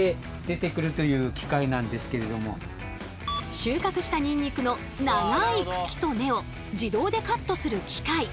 収穫したニンニクの長い茎と根を自動でカットする機械。